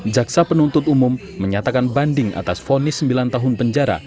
jaksa penuntut umum menyatakan banding atas fonis sembilan tahun penjara